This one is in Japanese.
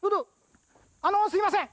あのすみません